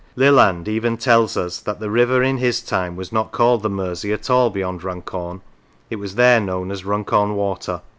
Leland even tells us that the river in his time was not called the Mersey at all beyond Runcorn; it was there known as Run corn Water.